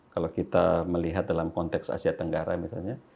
kalau kita melihat dalam konteks asia tenggara misalnya